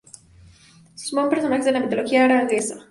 Son personajes de la mitología aragonesa.